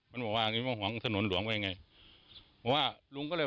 มันก็บอกว่าหวังถนนหลวงไปอย่างไง